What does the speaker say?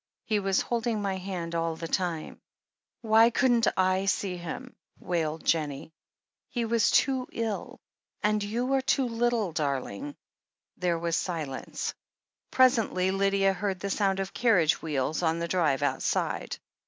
He was holding my hand all the time " "Why couldn't / see him?" wailed Jennie. "He was too ill, and you are too little, darling." There was silence. Presently Lydia heard the sound of carriage wheels on the drive outside.